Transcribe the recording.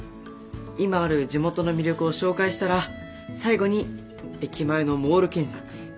今ある地元の魅力を紹介したら最後に駅前のモール建設。